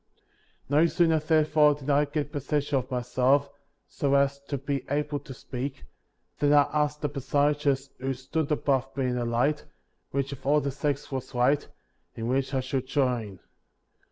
No sooner, therefore, did I get possession of myself, so as to be able to speak, than I asked the personages who stood above me in the light, which of all the sects was right — and which I should join.